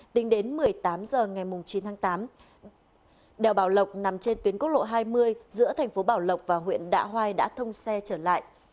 tính đến một mươi tám h ngày chín tháng tám đèo bảo lộc nằm trên tuyến quốc lộ hai mươi giữa thành phố bảo lộc và huyện đạ hoai đã thông xe trở lại